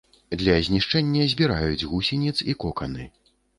Для знішчэння збіраюць гусеніц і коканы.